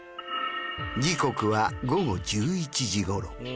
時刻は午後１１時ごろ。